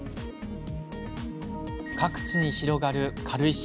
各地に広がる軽石。